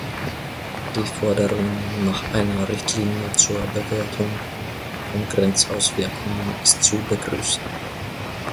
Die Forderung nach einer Richtlinie zur Bewertung von Grenzauswirkungen ist zu begrüßen.